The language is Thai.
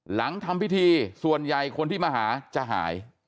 หลังทำพิธีส่วนใหญ่คนที่มาหาจะหาย